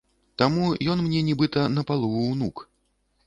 Таму ён мне нібыта напалову ўнук.